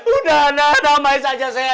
udah nah damai saja saya